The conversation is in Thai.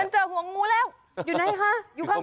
เจอหัวงูแล้วอยู่ไหนคะอยู่ข้าง